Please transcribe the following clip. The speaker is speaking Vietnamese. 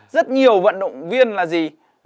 rất nhiều vận động viên là gì